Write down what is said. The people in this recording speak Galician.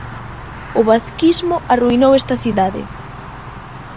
O 'vazquismo' arruinou esta cidade.